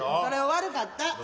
それは悪かった。